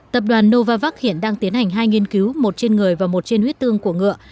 tập đoàn novavax hiện đang tiến hành hai nghiên cứu một trên người và một trên huyết tương của ngựa